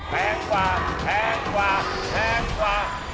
แพงกว่าแพงกว่าแพงกว่า